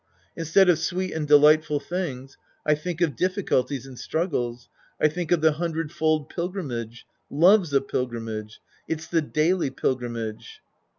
Instead of sweet and delightful things, I think of difficulties and strug gles. I think of the hundredfold pilgrimage. Love's a pilgrimage. It's the daily pilgrimage.